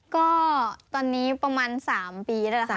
ก็ตอนนี้ประมาณ๓ปีได้แล้วค่ะ